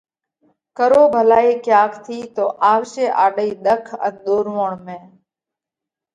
ڪرو ڀلائِي ڪياڪ ٿِي، تو آوشي آڏئِي ۮک ان ۮورووڻ ۾!